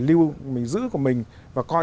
lưu mình giữ của mình và coi